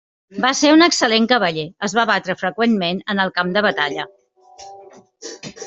Va ser un excel·lent cavaller, es va batre freqüentment en el camp de batalla.